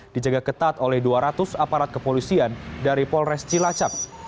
dijaga ketat oleh dua ratus aparat kepolisian dari polres cilacap